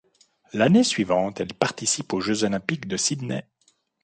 L'année suivante, elle participe aux Jeux olympiques de Sydney.